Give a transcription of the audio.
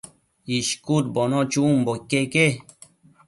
ishcudbono chunbo iqueque